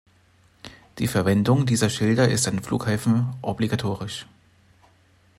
Die Verwendung dieser Schilder ist an Flughäfen obligatorisch.